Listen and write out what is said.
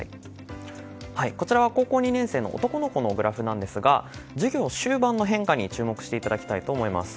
こちらは高校２年生の男の子のグラフなんですが授業終盤の変化に注目していただきたいです。